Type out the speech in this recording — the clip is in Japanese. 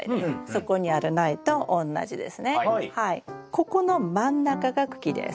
ここの真ん中が茎です。